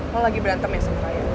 lo lagi berantem ya sama raya